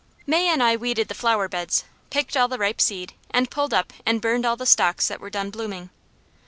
May and I weeded the flowerbeds, picked all the ripe seed, and pulled up and burned all the stalks that were done blooming.